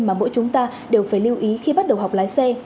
mà mỗi chúng ta đều phải lưu ý khi bắt đầu học lái xe